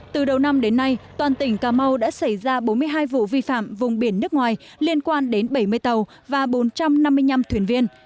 từ đầu năm đến nay toàn tỉnh cà mau đã xảy ra bốn mươi hai vụ vi phạm vùng biển nước ngoài liên quan đến bảy mươi tàu và bốn trăm năm mươi năm thuyền viên